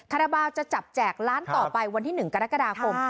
คาราบาลจะจับแจกล้านต่อไปวันที่๑กรกฎาคม